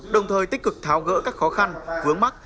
đồng thời tích cực tháo gỡ các khó khăn vướng mắt